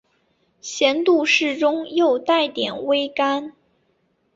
咸度适中又带点微甘